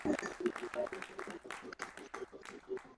Idadi kubwa ya Waturuki wanaishi Irani na Afghanistan